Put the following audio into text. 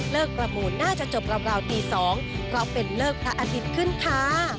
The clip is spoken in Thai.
ประมูลน่าจะจบราวตี๒เพราะเป็นเลิกพระอาทิตย์ขึ้นค่ะ